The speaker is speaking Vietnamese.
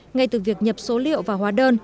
ngay từ việc nhập số liệu và hóa đơn